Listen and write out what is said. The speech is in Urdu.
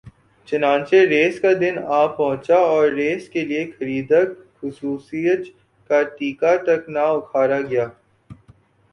چناچہ ریس کا دن آپہنچا اور ریس کے لیے خرید گ خصوصی ج کا ٹیکہ تک نا اکھاڑا گیا